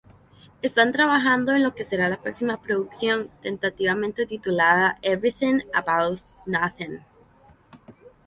Están trabajando en lo que será la próxima producción tentativamente titulada "Everything about Nothing".